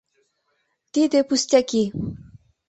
Тиде пустяки!